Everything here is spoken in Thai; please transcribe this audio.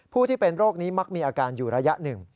ที่เป็นโรคนี้มักมีอาการอยู่ระยะหนึ่ง